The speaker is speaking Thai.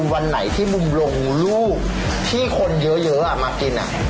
วันไหนที่มุมลงรูปที่คนเยอะมากิน